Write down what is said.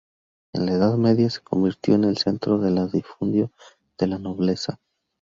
En la Edad Media se convirtió en el centro de latifundio de la nobleza.